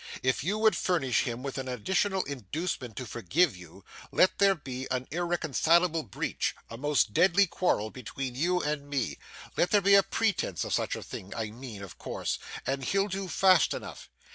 'If you would furnish him with an additional inducement to forgive you, let there be an irreconcilable breach, a most deadly quarrel, between you and me let there be a pretense of such a thing, I mean, of course and he'll do fast enough.